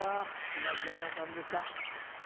島津亜矢さんでした。